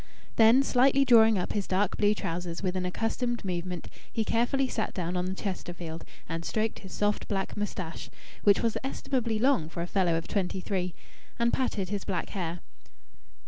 Then slightly drawing up his dark blue trousers with an accustomed movement, he carefully sat down on the Chesterfield, and stroked his soft black moustache (which was estimably long for a fellow of twenty three) and patted his black hair.